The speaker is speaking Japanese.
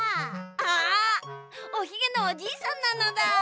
あおひげのおじいさんなのだ。